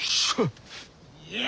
いや！